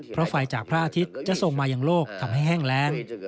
เพราะไฟจากพระอาทิตย์จะส่งมายังโลกทำให้แห้งแรง